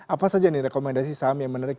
apa saja nih rekomendasi saham yang menarik